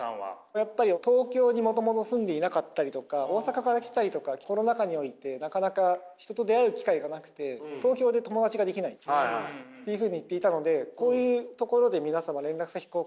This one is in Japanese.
やっぱり東京にもともと住んでいなかったりとか大阪から来たりとかコロナ禍においてなかなか人と出会える機会がなくて東京で友達ができないっていうふうに言っていたのでこういうところで皆様連絡先交換したりとか。